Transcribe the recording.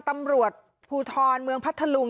ต่อศาลจังหวัดพัทธรุงค่ะ